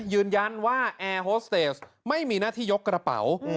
ยืนยันว่าแอร์โฮสเตสไม่มีหน้าที่ยกกระเป๋า